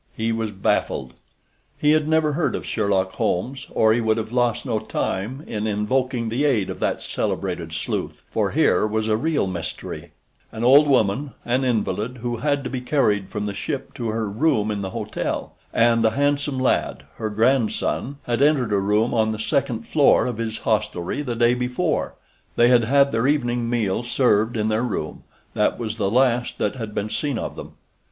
He was baffled. He had never heard of Sherlock Holmes or he would have lost no time in invoking the aid of that celebrated sleuth, for here was a real mystery: An old woman—an invalid who had to be carried from the ship to her room in the hotel—and a handsome lad, her grandson, had entered a room on the second floor of his hostelry the day before. They had had their evening meal served in their room—that was the last that had been seen of them.